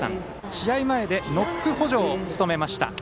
試合前でノック補助を務めました。